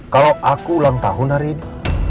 kalau aku ulang tahun hari ini